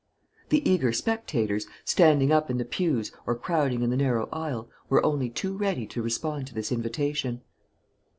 The eager spectators, standing up in the pews or crowding in the narrow aisle, were only too ready to respond to this invitation.